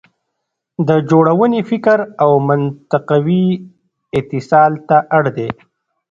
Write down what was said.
د جوړونې فکر او منطقوي اتصال ته اړ دی.